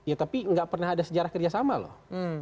ya tapi nggak pernah ada sejarah kerja sama loh